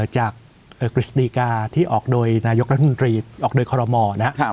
จากเอ่อคริสติกาที่ออกโดยนายกรัฐมนตรีออกโดยคอลโลมอล์นะครับ